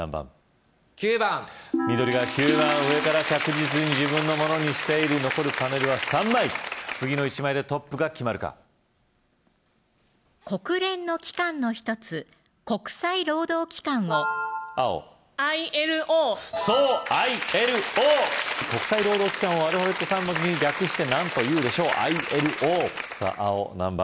９番緑が９番上から着実に自分のものにしている残るパネルは３枚次の１枚でトップが決まるか国連の機関の１つ・国際労働機関を青ＩＬＯそうＩＬＯ国際労働機関をアルファベット３文字に略して何というでしょうＩＬＯさぁ青何番？